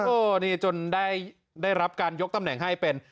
โอ้นี่จนได้รับการยกตำแหน่งให้เป็น